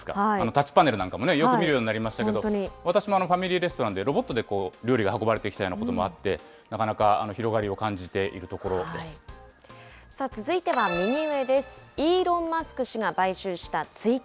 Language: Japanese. タッチパネルなんかもよく見るようになりましたけど、私もファミリーレストランで、ロボットが料理を運んできたこともあって、なかなか広がりを感じさあ、続いては右上です。